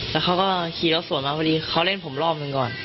แล้วเขาก็ขี่รถสวนมาพอดีเขาเล่นผมรอบหนึ่งก่อน